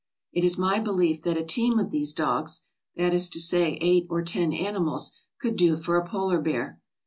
It is my belief that a team of these dogs — that is to say, eight or ten animals — could do for a polar bear.